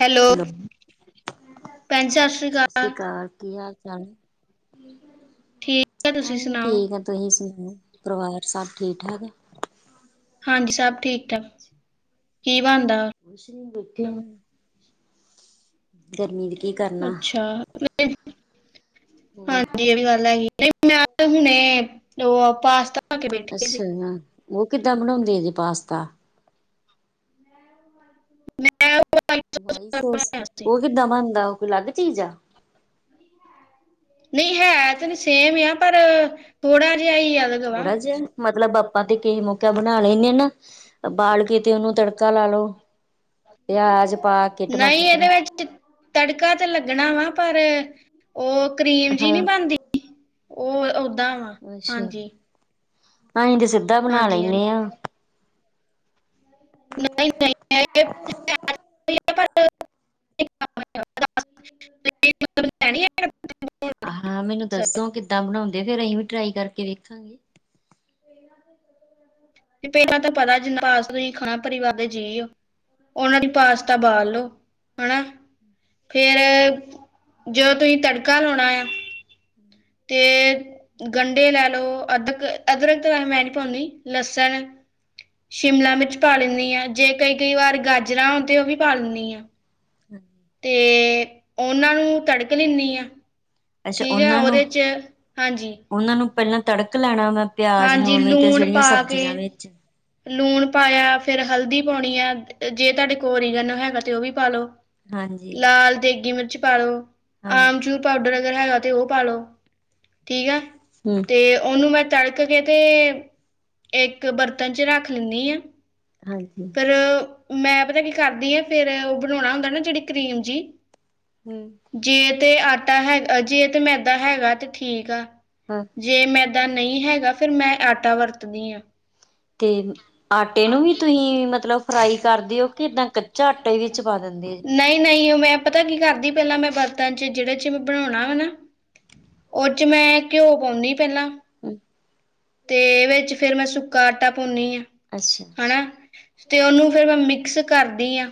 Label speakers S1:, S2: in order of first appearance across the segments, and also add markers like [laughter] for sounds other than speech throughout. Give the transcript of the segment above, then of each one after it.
S1: Hello ਭੈਣ ਸਤਿ ਸ੍ਰੀ ਅਕਾਲ।
S2: ਅਸੀ
S1: ਠੀਕ ਹੈ ਤੁਸੀਂ
S2: ਵੀ
S1: ਸੁਣਾਓ
S2: ਠੀਕ ਆ ਤੁਸੀਂ ਸੁਣਾਓ ਪਰਿਵਾਰ ਸਭ, ਠੀਕ ਠਾਕ?
S1: ਹਾਂਜੀ ਸਭ ਠੀਕ ਠਾਕ ਕੀ ਬਣਦਾ ਵਾ?
S2: [inaudible] ਗਰਮੀ [unintelligible]
S1: ਅੱਛਾ।
S2: ਹੋਰ
S1: ਹਾਂਜੀ ਇਹ ਵੀ ਗੱਲ ਹੈਗੀ ਨਹੀ ਮੈਂ ਤਾਂ ਹੁਣੇ ਉਹ ਪਾਸਤਾ, ਖਾ ਕੇ ਬੈਠੇ ਸੀ।
S2: ਅੱਛਾ ਉਹ ਕਿੱਦਾਂ ਬਣਾਂਓਦੇ ਜੇ ਪਾਸਤਾ?
S1: ਮੈਂ ਉਹ ਵਾਲਾ
S2: ਸੋਸ,
S1: ਬਣਾਇਆ ਸੀ
S2: ਉਹ ਕਿੱਦਾਂ ਬਣਦਾ ਉਹ ਕੋਈ ਅਲੱਗ ਚੀਜ਼ ਆ?
S1: ਨਹੀਂ ਹੈ ਤੇ ਸੇਮ ਆ ਪਰ ਥੋੜਾ ਜਿਹਾ ਈ ਅਲਗ ਵਾ।
S2: ਥੋੜਾ ਜਿਹਾ ਮਤਲਬ ਆਪਾਂ ਤੇ ਕਈ ਮੌਕੇ ਬਣਾ ਲੈਂਨੇ ਆਂ ਨਾ ਓਬਾਲ ਕੇ, ਤੇ ਉਹਨੂੰ ਤੜਕਾ ਲਾ ਲਓ ਪਿਆਜ ਪਾ ਕੇ ਟਮਾਟਰ
S1: ਨਹੀਂ ਇਹਦੇ
S2: ਤਮੁਟਰ।
S1: ਵਿੱਚ ਤੜਕਾ ਤੇ ਲੱਗਣਾ ਵਾ ਪਰ ਉਹ ਕਰੀਮ ਜਿ
S2: ਹਾਂ
S1: ਨਹੀਂ ਬਣਦੀ ਉਹ, ਓਦਾਂ ਵਾ
S2: ਅੱਛਾ
S1: ਹਾਂਜੀ।
S2: ਅਸੀਂ ਤੇ ਸਿੱਧਾ ਬਣਾ
S1: ਹਾਂਜੀ ਹਾਂਜੀ
S2: ਲੈਂਨੇ ਆਂ।
S1: [unintelligible] [inaudible]
S2: ਹਾਂ ਮੈਨੂੰ ਦੱਸੋ ਕਿੱਦਾਂ ਬਣਾਉਂਦੇ ਫੇਰ ਅਸੀਂ ਵੀ ਟਰਾਈ ਕਰਕੇ ਵੇਖਾਂਗੇ।
S1: ਤੇ ਪਹਿਲਾਂ ਤਾਂ ਪਤਾ [unintelligible] ਤੁਸੀਂ ਖਾਣਾ ਪਰਿਵਾਰ ਦੇ ਜੀ ਹੋ। ਉਹਨਾਂ ਲਈ ਪਾਸਤਾ ਉਬਾਲ ਲੋ ਹੈਨਾ। ਫੇਰ ਜਦੋਂ ਤੁਸੀਂ ਤੜਕਾ ਲਾਉਣਾ ਆ। ਤੇ ਗੰਢੇ ਲੈ ਲਓ ਅਦਰਕ ਅਦਰਕ ਤੇ ਵੈਸੇ ਮੈਂ ਨੀ ਪਾਉਂਦੀ ਲਸਣ, ਸ਼ਿਮਲਾ ਮਿਰਚ ਪਾ ਲੈਂਨੀ ਆ ਜੇ ਕਈ ਕਈ ਵਾਰ ਗਾਜਰਾਂ ਤੇ ਉਹ ਵੀ ਪਾ ਲੈਂਨੀ ਆ। ਤੇ ਉਹਨਾਂ ਨੂੰ ਤੜਕ ਲੈਂਦੀ ਆ।
S2: ਅੱਛਾ
S1: ਠੀਕ ਹੈ
S2: ਉਹਨਾਂ ਨੂੰ
S1: ਉਹਦੇ ਚ, ਹਾਂਜੀ
S2: ਉਹਨਾਂ ਨੂੰ ਪਹਿਲਾਂ ਤੜਕ ਲੈਣਾ ਮੈਂ ਪਿਆਜ
S1: ਹਾਂਜੀ
S2: ਨੂੰ [unintelligible]
S1: ਲੂਣ
S2: ਜੇੜੀਆਂ
S1: ਪਾ
S2: ਸਬਜ਼ੀਆਂ
S1: ਕੇ
S2: ਨੇ।
S1: ਲੂਣ ਪਾਇਆ ਫੇਰ ਹਲਦੀ ਪਾਉਣੀ ਆ ਜੇ ਤੁਹਾਡੇ [unintelligible] ਹੈਗਾ ਤੇ ਉਹ ਵੀ ਪਾ ਲੋ।
S2: ਹਾਂਜੀ
S1: ਲਾਲ ਦੇਗੀ ਮਿਰਚ ਪਾਾਲੋ
S2: ਹਾਂਜੀ
S1: ਆਮ ਚੂਰ ਪਾਊਡਰ, ਹੈਗਾ ਤੇ ਉਹ ਪਾ ਲੋ ਠੀਕ ਹੈ
S2: ਹੂੰ
S1: ਤੇ ਉਹਨੂੰ ਮੈਂ ਤੜਕ, ਕੇ ਤੇ ਇੱਕ ਬਰਤਨ ਚ ਰੱਖ ਲੈਂਨੀ ਆ
S2: ਹਾਂਜੀ
S1: ਫੇਰ ਮੈਂ ਪਤਾ ਕੀ ਕਰਦੀ ਆ ਫੇਰ ਉਹ ਬਣਾਉਣਾ ਹੁੰਦਾ ਨਾ ਜਿਹੜੀ ਕਰੀਮ ਜੀ।
S2: ਹੂੰ
S1: ਜੇ ਤੇ ਆਟਾ ਹੈਗਾ ਜੇ ਤੇ ਮੈਦਾ ਹੈਗਾ ਤੇ ਠੀਕ ਆ।
S2: ਹਾਂ
S1: ਜੇ ਮੈਂਦਾਂ ਨਹੀਂ ਹੈਗਾ ਫੇਿਰ ਮੈਂ ਆਟਾ ਵਰਤਦੀ ਆਂ।
S2: ਤੇ ਆਟੇ ਨੂੰ ਵੀ ਤੁਸੀਂ ਮਤਲਬ ਫਰਾਈ ਕਰਦੇ ਓ ਕਿ ਏਦਾਂ ਕੱਚਾ ਆਟਾ ਵਿੱਚ ਪਾ ਦਿੰਦੇ ਆ।
S1: ਨਹੀਂ ਨਹੀਂ ਉਹ ਮੈਂ ਪਤਾ ਕੀ ਕਰਦੀ ਪਹਿਲਾਂ ਮੈਂ ਬਰਤਨ ਚ ਜਿਹੜੇ ਚ ਮੈਂ ਬਣਾਉਣਾ ਵਾ ਨਾ, ਓਹਦੇ ਚ ਮੈਂ ਘਿਓ ਪਾਉਂਨੀ ਪਹਿਲਾਂ।
S2: ਹੂੰ
S1: ਤੇ ਵਿੱਚ ਫੇਰ ਮੈਂ ਸੁੱਕਾ ਆਟਾ ਪਾੁੰਨੀ ਆਾਂ।
S2: ਅੱਛਾ
S1: ਹੈਣਾ ਤੇ ਉਹਨੂੰ ਫੇਰ ਮੈਂ ਮਿਕਸ ਕਰਦੀ ਆਾਂ।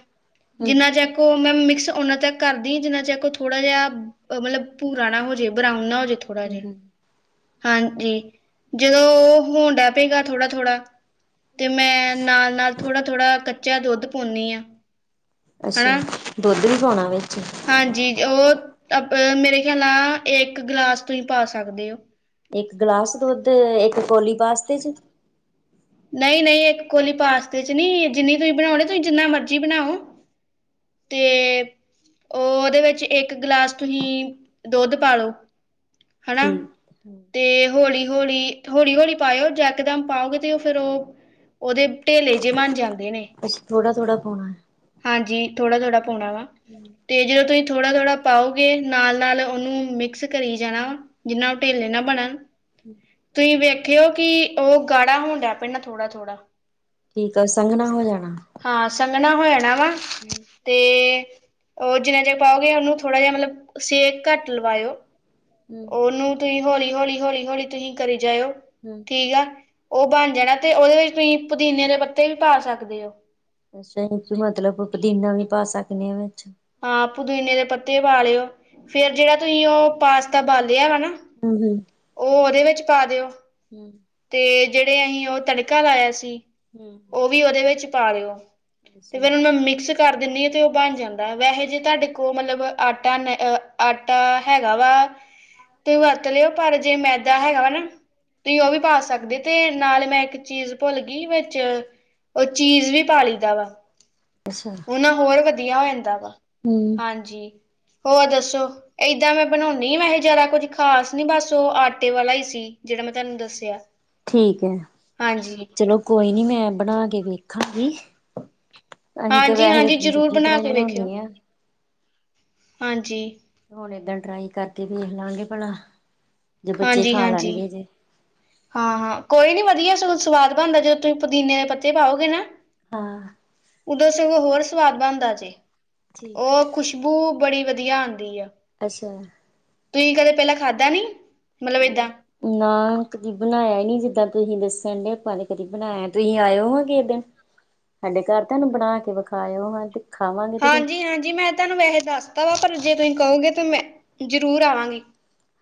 S2: ਹੂੰ
S1: ਜਿੰਨਾ ਤੱਕ ਉਹ ਮੈਂ ਮਿਕਸ ਓਨਾ ਤੱਕ ਕਰਦੀ ਜਿੰਨਾ ਤੱਕ ਉਹ ਥੋੜਾ ਜਿਹਾ ਮਤਲਬ ਪੂਰਾ ਨਾ, ਹੋਜੇ ਬਰਾਉਨ ਨਾ ਹੋਜੇ ਥੋੜਾ
S2: ਹੂੰ
S1: ਜਾ
S2: ਹੂੰ
S1: ਹਾਂਜੀ। ਜਦੋਂ ਉਹ [unintelligible] ਪੇਗਾ ਥੋੜਾ ਥੋੜ੍ਹਾ। ਤੇ ਮੈਂ ਨਾਲ ਨਾਲ ਥੋੜਾ ਥੋੜ੍ਹਾ ਕੱਚਾ ਦੁੱਧ ਪਾਉਂਨੀ ਆ।
S2: ਅੱਛਾ
S1: ਹਨਾ
S2: ਦੁੱਧ ਵੀ ਪਾਉਣਾ ਵਿੱਚ।
S1: ਹਾਂਜੀ ਉਹ ਅਪਨਾ ਮੇਰੇ ਖਿਆਲ ਨਾਲ ਇੱਕ ਗਲਾਸ ਤੁਸੀਂ ਪਾ ਸਕਦੇ ਓ।
S2: ਇੱਕ ਗਲਾਸ ਦੁੱਧ, ਇੱਕ ਕੋੌਲੀ ਵਾਸਤੇ ਚ
S1: ਨਹੀਂ ਨਹੀਂ, ਇੱਕ ਕੋਲੀ ਪਾਸਤੇ ਚ ਨੀ, ਜਿੰਨੀ ਤੁਸੀਂ ਬਣਾਉਨੀ ਤੁਸੀਂ ਜਿੰਨਾ ਮਰਜ਼ੀ ਬਣਾਓ। ਤੇ ਉਹ ਉਹਦੇ ਵਿੱਚ ਇੱਕ ਗਲਾਸ ਤੁਹੀ ਦੁੱਧ ਪਾਲੋ ਹਨਾ,
S2: ਠੀਕ
S1: ਤੇ ਹੋੌਲੀ ਹੋੌਲੀ ਹੌਲੀ ਹੌਲੀ ਪਾਓ, ਜਕਦਮ ਪਾਓਗੇ ਤੇ ਫਿਰ ਉਹ ਉਹਦੇ ਢੇਲੇ ਜੇਹੇ ਬਨ ਜਾਂਦੇ ਨੇ
S2: ਅੱਛਾ ਥੋੜਾ ਥੋੜਾ ਪੋਨੇ
S1: ਜੀ, ਥੋੜਾ ਥੋੜਾ ਪੋਉਣਾ ਵਾ, ਤੇ ਜਦੋਂ ਤੁਸੀਂ ਥੋੜ੍ਹਾ ਥੋੜ੍ਹਾ ਪਾਓਗੇ, ਨਾਲ ਨਾਲ ਉਹਨੂੰ ਮਿਕਸ ਕਰੀ ਜਾਣਾ ਵਾ, ਜਿੰਨਾ ਉਹ ਢੇਲੇ ਨਾ ਬਣਨ ਤੁਹੀ ਵੇਖਿਓ ਕਿ, ਉਹ ਗਾੜਾ ਹੋਣ ਡ ਪੈਂਦਾ ਥੋੜ੍ਹਾ ਥੋੜ੍ਹਾ
S2: ਠੀਕ ਆ ਸੰਘਣਾ ਹੋ ਜਾਣਾ।
S1: ਹਾਂ ਸੰਘਣਾ ਹੋਇਆ
S2: ਹੂੰ,
S1: ਤੇ ਉਹ ਜਿੰਨਾ ਚਿਰ ਪਾਓਗੇ ਉਹਨੂੰ ਥੋੜ੍ਹਾ ਜਿਹਾ ਮਤਲਬ ਸੇਕ ਘੱਟ ਲਵਾਇਓ,
S2: ਹੂੰ,
S1: ਉਹਨੂੰ ਤੁਸੀਂ ਹੌਲੀ ਹੌਲੀ ਹੌਲੀ ਹੌਲੀ ਤੁਸੀਂ ਕਰੀ ਜਾਓ,
S2: ਹੂੰ।
S1: ਠੀਕ ਆ, ਉਹ ਬਣ ਜਾਣਾ ਤੇ ਉਹਦੇ ਵਿੱਚ ਤੁਸੀਂ ਪੁਦੀਨੇ ਦੇ ਪੱਤੇ ਤੇ ਵੀ ਪਾ ਸਕਦੇ ਹੋ
S2: ਅੱਛਾ, ਇਹ ਮਤਲਬ ਪੁਦੀਨਾ ਵੀ ਪਾ ਸਕਨੇ ਆ ਵਿੱਚ
S1: ਹਾਂ, ਪੁਦਨੇ ਦੇ ਪੱਤੇ ਪਾ ਲਿਓ, ਫੇਰ ਜਿਹੜਾ ਤੁਸੀਂ ਉਹ ਪਾਸਤਾ ਬਾਲਆ ਵਾ ਨਾ
S2: [unintelligible]
S1: ਉਹ ਉਹਦੇ ਵਿੱਚ ਪਾ ਦਿਓ
S2: ਹਮ
S1: ਤੇ ਜਿਹੜੇ ਅਹੀ ਉਹ ਤੜਕਾ ਲਾਇਆ ਸੀ
S2: ਹੂੰ।
S1: ਉਹ ਵੀ ਉਹਦੇ ਵਿੱਚ ਪਾ ਲਿਓ, ਤੇ ਫਿਰ ਉਨੂ ਮੈਂ ਮਿਕਸ ਕਰ ਦਿੰਨੀ ਆ ਤੇ ਉਹ ਬਨ ਜਾਂਦ ਵੈਸੇ ਜੇ ਤੁਹਾਡੇ ਕੋਲ ਮਤਲਬ, ਆਟਾ ਨ ਆਟਾ ਹੈਗਾ ਵਾ ਤੇ ਵਰਤ ਲਿਓ ਪਰ ਜੇ ਮੈਦਾ ਹੈਗਾ ਵਾ ਨਾ, ਤੁਸੀਂ ਉਹ ਵੀ ਪਾ ਸਕਦੇ, ਤੇ ਨਾਲ ਮੈਂ ਇ ਚੀਜ਼ ਭੁੱਲ ਗੀ ਵਿੱਚ ਉਹ ਚੀਜ਼ ਵੀ ਪਾ ਲੀ ਦਾ ਵਾ,
S2: ਅੱਛਾ।
S1: ਉਹ ਨਾ ਹੋਰ ਵਧੀਆ ਹੋ ਜਾਂਨ
S2: ਹੂੰ।
S1: ਹਾਂਜੀ ਹੋਰ ਦੱਸੋ ਏਦਾਂ ਮੈਂ ਬਨੋਨੀ ਹੀ, ਵੈਸੇ ਜ਼ਿਆਦਾ ਕੁੱਝ ਖਾਸ ਨੀ ਬਸ ਉਹ ਆਟੇ ਵਾਲਾ ਈ ਸੀ ਜਿਹੜਾ ਮੈਂ ਤੁਹਾਨੂੰ ਦੱਸਿਆ
S2: ਠੀਕ ਹੈ
S1: ਹਾਂਜੀ
S2: ਚਲੋ ਕੋਈ ਨੀ ਮੈਂ ਬਣਾ ਕੇ ਵੇਖਾਂਗੀ ਅਸੀਂ ਤਾਂ
S1: ਹਾਂਜੀ
S2: ਵੈਹੇ
S1: ਹਾਂਜੀ ਜ਼ਰੂਰ
S2: ਦੂਜੀ
S1: ਬਣਾ
S2: ਤਰ੍ਹਾਂ ਈ
S1: ਕੇ ਵੇਖਿਓ
S2: ਬਨੋਨੇ ਆਂ
S1: ਹਾਂਜੀ
S2: ਹੁਣ ਏਦਾਂ ਟਰਾਈ ਕਰਕੇ ਵੇਖ ਲਾਂਗੇ, ਭਲਾ, ਜੇ ਬੱਚੇ ਖਾ ਲੈਣਗੇ ਜੇ
S1: ਹਾਂ ਹਾਂ ਕੋਈ ਨੀ ਵਧੀਆ, ਸਗੋਂ ਸਵਾਦ ਬਨਦਾ ਜਦੋਂ ਤੁਸੀਂ ਪੁਦੀਨੇ ਦੇ ਪੱਤੇ ਪਾਓਗੇ ਨਾ
S2: ਹਾਂ,
S1: ਉਦੋਂ ਸਗੋ ਹੋਰ ਸਵਾਦ ਬਨਦਾ ਜੇ,
S2: ਠੀਕ
S1: ਉਹ ਖੁਸ਼ਬੂ ਬੜੀ ਵਧੀਆ ਆਂਦੀ ਏ
S2: ਅੱਛਾ
S1: ਤੁਸੀਂ ਕਦੇ ਪਹਿਲਾਂ ਖਾਧਾ ਨੀ? ਮਤਲਬ ਏਦਾਂ
S2: ਨਾ ਕਦੀ ਬਨਾਇਆ ਈ ਨੀ ਜਿੱਦਾਂ ਤੁਸੀਂ ਦਸਨ ਡੇ, ਆਪਾਂ ਨੇ ਕਦੀ ਤੁਸੀਂ ਆਇਓ ਕਿਸੇ ਦਿਨ ਸਾਡੇ ਘਰ ਤਾਂ ਇਹਨੂੰ ਬਣਾ ਕੇ ਵਿਖਾਇਓ, ਹਾਂ ਖਾਵਾਂਗੇ ਤੇ ਫਿਰ
S1: ਹਾਂਜੀ, ਹਾਂਜੀ ਮੈਂ ਤੁਹਾਨੂੰ ਵੈਸੇ ਦੱਸਤਾ ਵਾ ਪਰ ਜੇ ਤੁਸੀਂ ਕਹੋਗੇ, ਤੇ ਮੈਂ ਜਰੂਰ ਆਵਾਂਗੀ।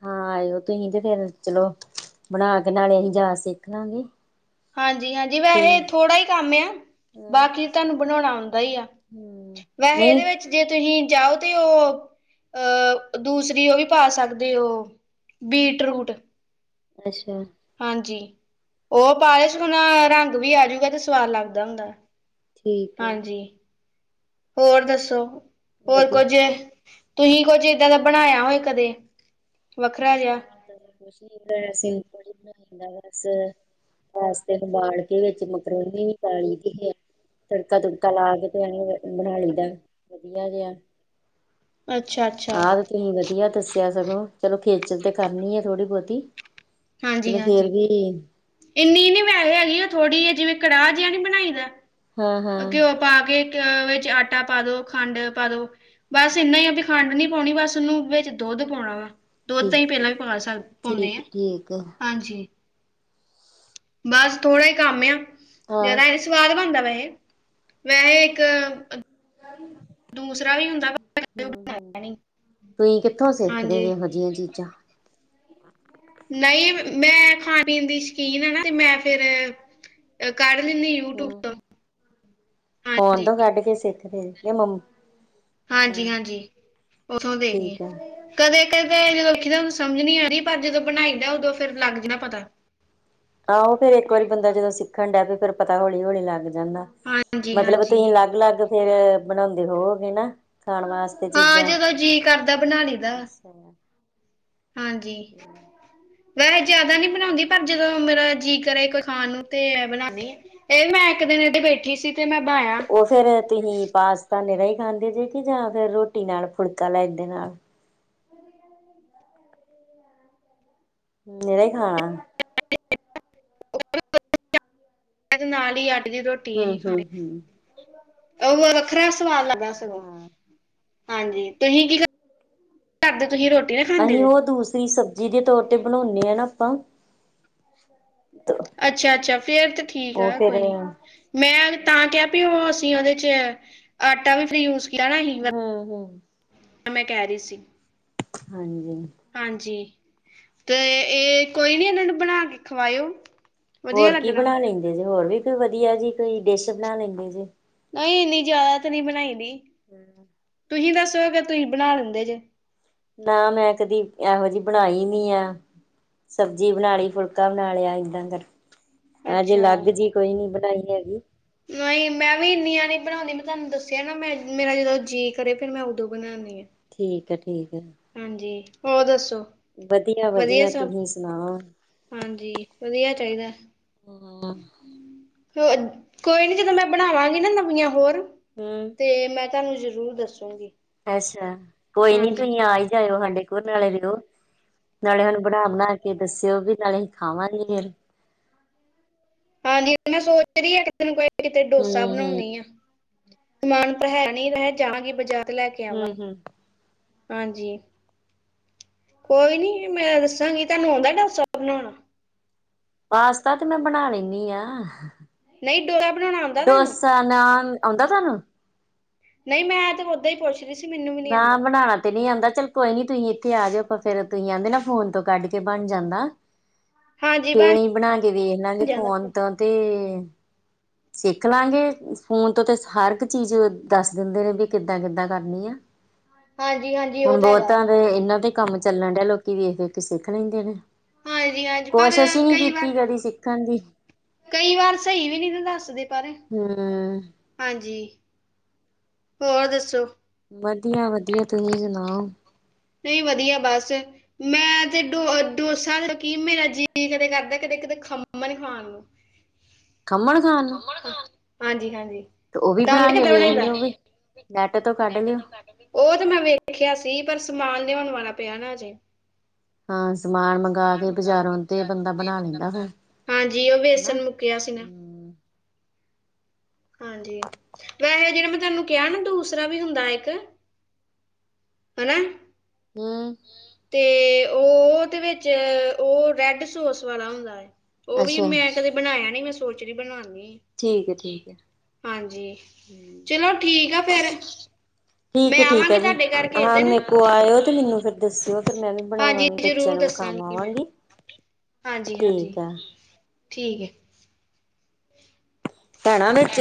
S2: ਹਾਂ ਆਇਓ ਤੁਹੀ ਤੇ ਫੇਰ ਚਲੋ ਬਣਾ ਕੇ ਨਾਲੇ ਅਸੀਂ ਜਾਚ ਸਿੱਖ ਲਾਂਗੇ।
S1: ਹਾਂਜੀ, ਹਾਂਜੀ
S2: ਤੇ
S1: ਵੈਸੇ ਥੋੜਾ ਹੀ ਕੰਮ ਆ, ਬਾਕੀ ਤੁਹਾਨੂੰ ਬਣਾਉਣਾ ਦਾ ਹੀ ਆ,
S2: ਹਮ
S1: ਵੈਸੇ
S2: ਨਹੀਂ
S1: ਇਹਦੇ ਵਿੱਚ ਜੇ ਤੁਸੀਂ ਜਾਓ ਤੇ ਉਹ ਅਹ ਦੂਸਰੀ ਉਹ ਵੀ ਪਾ ਸਕਦੇ ਉਹ ਬੀਟ ਰੂਟ
S2: ਅੱਛਾ।
S1: ਹਾਂਜੀ, ਉਹ ਪਾ ਲਿਸ਼ ਹੁਣ ਰੰਗ ਵੀ ਆਜੂਗਾ ਤੇ ਸਵਾਦ ਲੱਗਦਾ ਹੁੰਦਾ।
S2: ਠੀਕ ਹੈ
S1: ਹਾਂਜੀ ਹੋਰ ਦੱਸੋ, ਹੋਰ
S2: ਵਧੀਆ
S1: ਕੁੱਝ ਤੁਸੀਂ ਕੁੱਝ ਏਦਾਂ ਦਾ ਬਣਾਇਆ ਹੋਏ ਕਦੇ ਵੱਖਰਾ ਜਿਹਾ
S2: ਕੁਛ ਨੀ ਬਣਾਈ ਸੀ ਕੜੀ ਬਣਾਈ ਮੈਂ ਬਸ ਪਾਸਤੇ ਨੂੰ ਬਾਲ ਕੇ ਵਿੱਚ ਮਕਰੋਂਨੀ ਵੀ ਪਾ ਲਈ ਦੀ ਆ ਤੜਕਾ ਤੁੜਕਾ ਲਾ ਕੇ ਤੇ ਐ ਬਣਾ ਲਈ ਦਾ ਵਧੀਆ ਜਿਹਾ
S1: ਅੱਛਾ ਅੱਛਾ
S2: ਆਹ ਤੇ ਤੁਸੀਂ ਵਧੀਆ ਦੱਸਿਆ ਸਗੋ ਖੇਚਲ ਤੇ ਕਰਨੀ ਐ ਥੋੜੀ ਬਹੁਤੀ
S1: ਹਾਂਜੀ,
S2: ਚਲੋ
S1: ਹਾਂਜੀ
S2: ਫੇਰ ਵੀ
S1: ਇੰਨੀ ਨੀ ਵੈਸੇ ਹੈਗੀ ਥੋੜ੍ਹੀ ਜੀ ਜਿਵੇਂ ਕੜਾਹ ਜਿਹਾ ਨੀ ਬਣਾਈ ਦਾ
S2: ਹਾਂ
S1: ਘਿਓ
S2: ਹਾਂ
S1: ਪਾ ਕੇ ਵਿ ਆਟਾ ਪਾ ਦੋ ਖੰਡ ਪਾ ਦੋ ਬਸ ਇੰਨਾ ਈ ਆ ਵੀ ਖੰਡ ਨੀ ਪਾਉਣੀ ਬਸ ਉਹਨੂੰ ਵਿੱਚ ਦੁੱਧ ਪਾਉਣਾ ਵਾ ਦੁੱਧ ਤਾਂ ਅਸੀਂ
S2: ਠੀਕ
S1: ਪਹਿਲਾਂ ਵੀ ਪਾ ਪਾਉਣੇ
S2: ਠੀਕ
S1: ਆ।
S2: ਠੀਕ
S1: ਹਾਂਜੀ, ਬਸ ਥੋੜਾ ਹੀ ਕੰਮ ਆ
S2: ਹਾਂ
S1: ਜ਼ਿਆਦਾ ਇਹ ਸਵਾਦ ਬਣਦਾ ਵੈਸੇ ਵੈਸੇ ਇੱਕ ਦੂਸਰਾ ਵੀ ਹੁੰਦਾ।
S2: ਹੂੰ ਹੂੰ, ਤੁਸੀਂ ਕਿੱਥੋਂ ਸਿੱਖਦੇ
S1: ਹਾਂਜੀ
S2: [unintelligible] ਵਧੀਆ ਚੀਜ਼ਾ
S1: ਨਹੀਂ ਮੈਂ ਖਾਣ ਪੀਣ ਦੀ ਸ਼ਕੀਨ ਆ ਨਾ ਤੇ ਮੈਂ ਫਿਰ ਕਰ ਨਹੀਂ ਨਹੀਂ ਯੂਟਿਊਬ
S2: ਹੂੰ
S1: ਤੋਂ
S2: ਫੋਨ
S1: ਹਾਂਜੀ
S2: ਤੋਂ ਕੱਢ ਕੇ ਸਿੱਖਦੇ ਜਾ ਮੰ
S1: ਹਾਂਜੀ, ਹਾਂਜੀ ਉੱਥੋਂ ਦੇਖਣੀ
S2: ਠੀਕ ਹੈ
S1: ਕਦੇ ਕਦੇ ਜਦੋਂ ਦੇਖੀ ਦਾ ਉਹਨੂੰ ਸਮਝ ਨੀ ਆ ਰਹੀ ਪਰ ਜਦੋਂ ਬਣਾਈ ਦਾ ਉਦੋਂ ਫੇਰ ਲੱਗ ਜਾਂਦਾ ਪਤਾ
S2: ਆਹੋ ਫੇਰ ਇੱਕ ਵਾਰੀ ਬੰਦਾ ਜਦੋਂ ਸਿੱਖਣ ਡਿਆ ਵੀ ਫਿਰ ਪਤਾ ਹੌਲੀ ਹੌਲੀ ਲੱਗ ਜਾਂਦਾ
S1: ਹਾਂਜੀ
S2: ਮਤਲਬ
S1: ਹਾਂਜੀ
S2: ਤੁਸੀਂ ਅਲੱਗ ਅਲੱਗ ਫੇਰ ਬਣਾਉਂਦੇ ਹੋਵੋਗੇ ਨਾ। ਖਾਣ ਵਾਸਤੇ
S1: ਹਾਂ
S2: ਚੀਜ਼ਾਂ
S1: ਜਦੋਂ ਜੀ ਕਰਦਾ ਬਣਾ ਲਈਦਾ
S2: ਅੱਛਾ।
S1: ਹਾਂਜੀ, ਮੈਂ ਜਿਆਦਾ ਨਹੀਂ ਬਣਾਉਂਦੀ ਪਰ ਜਦੋਂ ਮੇਰਾ ਜੀ ਕਰੇ ਕੋਈ ਖਾਣ ਨੂੰ ਤੇ ਬਣਾਣੀ ਆ ਫੇਰ ਮੈਂ ਇੱਕ ਦਿਨ ਇਹ ਤੇ ਬੈਠੀ ਸੀ। ਤੇ ਮੈਂ ਬਣਾਇਆ
S2: ਉਹ ਫੇਰ ਤੁਸੀਂ ਪਾਸਤਾਂ ਨੀਰਾ ਹੀ ਖਾਂਦੇ ਜੇ ਕਿ ਜਾਂ ਫਿਰ ਰੋਟੀ ਨਾਲ ਫੁਲਕਾ ਲੈਂਦੇ ਨਾਲ ਨੀਰਾ ਹੀ ਖਾਣਾ
S1: [inaudible] ਨਾਲ ਹੀ ਆ ਦੀ ਰੋਟੀ ਅਸੀਂ ਖਾਣੀ
S2: ਹੂੰ-ਹੂੰ-ਹੂੰ
S1: ਉਹ ਵੱਖਰਾ ਸਵਾਲ ਲੱਗਦਾ ਸਗੋਂ
S2: ਹਾਂ
S1: ਹਾਂਜੀ ਤੁਸੀਂ ਕੀ ਕਰਦੇ ਤੁਸੀਂ ਰੋਟੀ ਨਾ ਖਾਂਦੇ
S2: ਅਸੀਂ
S1: ਜੇ
S2: ਉਹ ਦੂਸਰੀ ਸਬਜ਼ੀ ਦੇ ਤੌਰ ਤੇ ਬਨਾਉਣੇ ਆ ਨਾ ਆਪਾਂ
S1: ਅੱਛਾ, ਅੱਛਾ ਫੇਰ ਤਾਂ ਠੀਕ
S2: ਉਹ
S1: ਆ
S2: ਫੇਰ
S1: ਕੋਈ ਨੀ ਮੈਂ ਤਾਂ ਕਿਹਾ ਵੀ ਉਹ ਅਸੀਂ ਉਹਦੇ ਚ ਆਟਾ ਵੀ ਫਰੀ ਯੂਜ ਕੀਤਾ ਨਾ ਅਸੀਂ
S2: ਹੂੰ ਹੂੰ,
S1: ਮੈਂ ਕਹਿ ਰਹੀ ਸੀ।
S2: ਹਾਂਜੀ।
S1: ਹਾਂਜੀ ਤੇ ਇਹ ਕੋਈ ਨੀ ਇਹਨਾਂ ਨੂੰ ਬਣਾ ਕੇ ਖਵਾਇਓ ਵਧੀਆ
S2: ਹੋਰ ਕੀ
S1: ਲੱਗਣਾ।
S2: ਬਣਾ ਲੈਂਦੇ ਜੇ? ਹੋਰ ਵੀ ਕੋਈ ਵਧੀਆ ਜੀ ਕੋਈ ਡਿਸ਼ ਬਣਾ ਲੈਂਦੇ ਜੇ।
S1: ਨਹੀਂਂ ਇੰਨੀ ਜ਼ਿਆਦਾ ਤਾਂ ਨਹੀਂ ਬਣਾਈ ਦੀ
S2: [inaudible]
S1: ਤੁਸੀਂ ਦੱਸੋ, ਤੁਸੀਂ ਬਣਾ ਲੈਂਦੇ ਜੇ।
S2: ਨਾ ਮੈਂ ਕਦੀ ਇਹੋ ਜਿਹੀ ਬਣਾਈ ਨੀ ਆ, ਸਬਜ਼ੀ ਬਣਾ ਲਈ, ਫੁਲਕਾ ਬਣਾ ਲਿਆ ਏਦਾਂ ਕਰ ਹਜੇ
S1: ਅੱਛਾ।
S2: ਅਲੱਗ ਜੀ ਕੋਈ ਨੀ ਬਣਾਈ ਹੈਗੀ।
S1: ਨਹੀਂ, ਮੈਂ ਵੀ ਇੰਨੀਆਂ ਨੀ ਬਣਾਉਂਦੀ ਮੈਂ ਤੁਹਾਨੂੰ ਦੱਸਿਆ ਨਾ ਮੈਂ ਮੇਰਾ ਜਦੋਂ ਜੀਅ ਕਰੇ ਫਿਰ ਮੈਂ ਉਦੋਂ ਬਣਾਨਣੀ ਆ।
S2: ਠੀਕ ਹੈ
S1: ਹਾਂਜੀ, ਹੋਰ ਦੱਸੋ?
S2: ਵਧੀਆ-ਵਧੀਆ
S1: ਵਧੀਆ ਸਭ
S2: ਤੁਸੀਂ ਸੁਣਾਓ।
S1: ਹਾਂਜੀ, ਵਧੀਆ ਚਾਹੀਦਾ ਏ। ਹੋਰ ਕੋਈ ਨੀ ਜਦੋਂ ਮੈਂ ਬਣਾਵਾਂਗੀ ਨਾ ਨਵੀਆਂ ਹੋਰ,
S2: ਹੂੰ
S1: ਤੇ ਮੈਂ ਤੁਹਾਨੂੰ ਜ਼ਰੂਰ ਦੱਸੂਂਗੀ।
S2: ਅੱਛਾ, ਕੋਈ ਨੀ ਤੁਸੀਂ ਆ ਹੀ ਜਾਇਓ ਸਾਡੇ ਕੋਲ ਨਾਲੇ ਮਿਲੋ, ਨਾਲੇ ਹੁਣ ਬਣਾ ਬਣਾ ਕੇ ਦੱਸਿਓ ਵੀ ਨਾਲੇ ਖਾਵਾਂਗੀ ਫੇਰ
S1: ਹਾਂਜੀ, ਮੈਂ ਸੋਚ ਰਹੀ ਹਾਂ ਕਿ ਇਕ ਦਿਨ ਕੋਈ ਕਿਤੇ ਡੋਸਾ ਬਣਾਉਦੀ
S2: ਹੂੰ-ਹੂੰ-ਹੂੰ-ਹੂੰ
S1: ਆ। ਸਮਾਨ ਪਰ ਹੈ ਨਹੀ, ਮੈਂ ਜਾਵਾਂਗੀ ਬਾਜਾਰ ਤੇ ਲੈ ਕੇ ਆਵਾਂਗੀ। ਹਾਂਜੀ ਕੋਈ ਨੀ ਮੈਂ ਦੱਸਾਂਗੀ ਤੁਹਾਨੂੰ ਆਉਂਦਾ ਡੋਸਾ ਬਣਾੳਣਾ।
S2: ਪਾਸਤਾ ਤੇ ਮੈਂ ਬਣਾ ਲੇਣੀ ਆ
S1: ਨਹੀਂ ਡੋਰਾ ਬਣਾਉਣਾ ਆਉਂਦਾ ਤੁਹਾਨੂੰ
S2: ਡੋਸਾ, ਨਾਨ ਆਉਂਦਾ ਤੁਹਾਨੂੰ?
S1: ਨਹੀਂ ਮੈਂ ਤੇ ਓਦਾਂ ਹੀ ਪੁੱਛ ਰਹੀ ਸੀ ਮੈਨੂੰ ਵੀ ਨਹੀਂ
S2: ਨਾ
S1: ਆਉਂਦਾ
S2: ਬਣਾਉਣਾ ਤੇ ਨੀ ਆਉਂਦਾ, ਚੱਲ ਕੋਈ ਨੀ ਤੁਸੀ ਆ ਜਾਓ ਆਪਾਂ ਫੇਰ ਤੁਸੀਂ ਆਹਂਦੇ ਨਾ ਫੋਨ ਤੋਂ ਕੱਢ ਕੇ ਬਣ ਜਾਂਦਾ
S1: ਹਾਂਜੀ
S2: ਫੇਰ
S1: ਬਣ
S2: ਹੀ ਬਣਾ ਕੇ ਵੇਖਣਾ ਦੇ,
S1: ਜਾਂਦਾ
S2: ਫੋਨ ਤਾਂ ਤੇ ਸਿੱਖ ਲਾਂਗੇ ਫੋਨ ਤੋਂ ਤੇ ਹਰ ਇੱਕ ਚੀਜ਼ ਦੱਸ ਦਿੰਦੇ ਨੇ ਵੀ ਕਿੱਦਾਂ ਕਿੱਦਾਂ ਕਰਨੀ ਆ।
S1: ਹਾਂਜੀ ਹਾਂਜੀ ਉਹ
S2: ਹੁਣ
S1: ਤਾਂ ਹੈਗਾ
S2: ਬਹੁਤਾ ਦੇ ਇਹਨਾਂ ਤੇ ਕੰਮ ਚੱਲਣ ਡਿਆ, ਲੋਕੀ ਵੇਖ- ਵੇਖ ਕੇ ਸਿੱਖ ਲੈਂਦੇ ਨੇ।
S1: ਹਾਂਜੀ ਹਾਂਜੀ ਪਰ
S2: ਕੋਸ਼ਿਸ਼ ਹੀ ਨਹੀਂ
S1: ਕਈ
S2: ਕੀਤੀ
S1: ਵਾਰ
S2: ਕਦੀ ਸਿੱਖਣ ਦੀ
S1: ਕਈ ਵਾਰ ਸਹੀ ਵੀ ਨਹੀਂ ਦੱਸਦੇ ਪਰ
S2: ਹੂੰ
S1: ਹਾਂਜੀ। ਹੋਰ ਦੱਸੋ?
S2: ਵਧੀਆ ਵਧੀਆ, ਤੁਸੀਂ ਸੁਣਾਓ।
S1: ਨਹੀਂ ਵਧੀਆ ਬਸ ਮੈਂ ਤੇ ਡੋ ਡੋਸਾ ਕੀ ਮੇਰਾ ਜੀਅ ਕਦੇ ਕਰਦਾ ਕਦੇ ਕਿਤੇ ਖੰਮਨ ਖਾਣ ਨੂੰ।
S2: ਖਮੰਨ ਖਾਨ ਨੂੰ
S1: ਹਾਂਜੀ ਹਾਂਜੀ
S2: ਤੇ ਉਹ
S1: ।
S2: ਵੀ
S1: ਤੁਹਾਨੂੰ
S2: ਬਣਾ ਕੇ
S1: ਕਿੱਦਾਂ ਬਣਾਈ
S2: ਵੇਖ
S1: ਦਾ?
S2: ਲਿਓ ਵੀ ਨੈਟ ਤੋਂ ਕੱਢ ਲਿਓ
S1: ਉਹ ਤੇ ਮੈਂ ਵੇਖਿਆ ਸੀ, ਪਰ ਸਾਮਾਨ ਵੀ ਮੰਗਵਾਉਣਾ ਪਿਆ ਨਾ ਹਜੇ।
S2: ਹਾਂ ਸਮਾਨ ਮੰਗਵਾ ਕੇ ਬਜ਼ਾਰੋਂ ਤੇ ਬੰਦਾ ਬਣਾ ਲੈਂਦਾ ਫਿਰ
S1: ਹਾਂਜੀ, ਉਹ
S2: ਹਨਾ
S1: ਬੇਸਨ ਮੁੱਕਿਆ ਸੀ ਨਾ
S2: ਹਮ
S1: ਹਾਂਜੀ ਵੈਸੇ ਜਿਹੜਾ ਮੈਂ ਤੁਹਾਨੂੰ ਕਿਹਾ ਨਾ ਦੂਸਰਾ ਵੀ ਹੁੰਦਾ ਇੱਕ ਹਨਾ
S2: ਹੂੰ
S1: ਤੇ ਉਹਦੇ ਵਿੱਚ, ਉਹ ਰੈਡ ਸੋਸ ਵਾਲਾ ਹੁੰਦਾ। ਉਹ ਵੀ
S2: ਅੱਛਾ
S1: ਮੈਂ ਕਦੇ ਬਣਾਇਆ ਨੀ, ਮੈਂ ਸੋਚ ਰ ਬਣਾਉਦੀ
S2: ਠੀਕ ਹੈ ਠੀਕ ਹੈ
S1: ਹਾਂਜੀ ਚਲੋ ਠੀਕ ਆ ਫੇਰ
S2: ਠੀਕ ਹੈ, ਠੀਕ ਹੈ ਜੀ। ਹਾਂ ਮੇਕੋ ਆਇਓ ਤੇ ਮੈਨੂੰ ਫੇਰ ਦੱਸਿਓ ਫੇਰ ਮੈਂ ਵੀ
S1: ਹਾਂਜੀ
S2: ਬਣਾਵਾਂਗੀ, ਬੱਚਿਆਂ
S1: ਜ਼ਰੂਰ
S2: ਨੂੰ
S1: ਦੱਸਾਂਗੀ ਮੈਂ
S2: ਖਾਵਾਵਾਂਗੀ
S1: ਹਾਂਜੀ ਹਾਂਜੀ, ਠੀਕ ਏ।
S2: ਭੈਣਾਂ ਵਿੱਚ